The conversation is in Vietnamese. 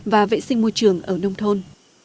và vệ sinh môi trường ở nông thôn